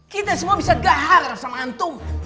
kita semua bisa gahar sama antum